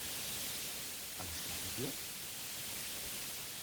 Alles klar bei dir?